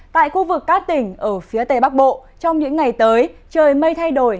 tại khu vực các tỉnh ở phía tây bắc bộ trong những ngày tới trời mây thay đổi